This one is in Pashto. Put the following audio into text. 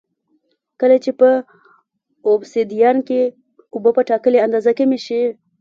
کله چې په اوبسیدیان کې اوبه په ټاکلې اندازه کمې شي